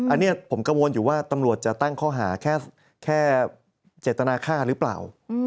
อันนี้ผมกังวลอยู่ว่าตำรวจจะตั้งข้อหาแค่เจตนาค่าหรือเปล่า